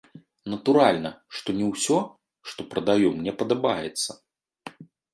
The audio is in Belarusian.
Натуральна, што не ўсё, што прадаю, мне падабаецца.